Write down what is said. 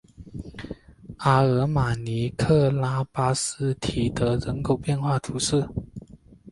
阿尔马尼亚克拉巴斯提德人口变化图示